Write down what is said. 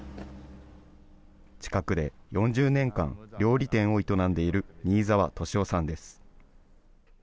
近くで４０年間、料理店を営んでいる新沢敏夫さんです。